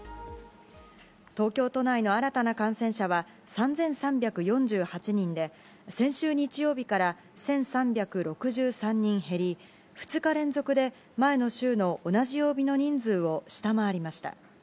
東京都内の新たな感染者は、３３４８人で、先週日曜日から１３６３人減り、２日連続で前の週の同じ曜日の人数を下回りました。